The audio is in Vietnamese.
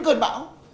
chín cơn bão